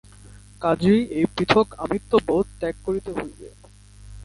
কাজেই এই পৃথক আমিত্ব-বোধ ত্যাগ করিতে হইবে।